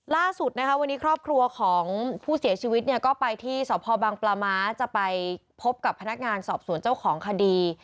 ล่าสุดนะคะวันนี้ครอบครัวของผู้เสียชีวิตเนี่ยก็ไปที่สพบังปลาม้าจะไปพบกับพนักงานสอบสวนเจ้าของคดี